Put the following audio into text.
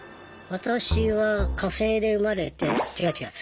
私は火星で生まれて違う違う。